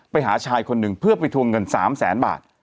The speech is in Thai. ไปหาชายคนหนึ่งเพื่อไปทวงเงิน๓แสนบาท